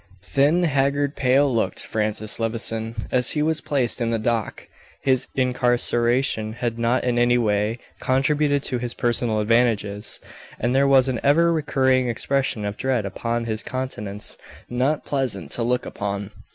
Thin, haggard, pale, looked Francis Levison as he was placed in the dock. His incarceration had not in any way contributed to his personal advantages, and there was an ever recurring expression of dread upon his countenance not pleasant to look upon.